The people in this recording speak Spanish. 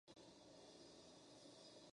Esdras era experto en ambas lenguas.